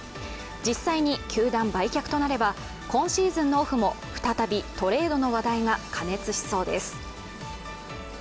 実際に球団売却となれば今シーズンのオフも再びトレードの話題が過熱しそうです。